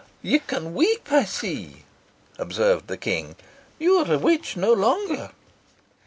"You can weep, I see," observed the King. "You are a witch no longer."